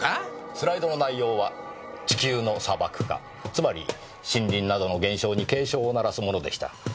スライドの内容は地球の砂漠化つまり森林などの減少に警鐘を鳴らすものでした。